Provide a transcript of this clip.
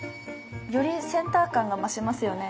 よりセンター感が増しますよね。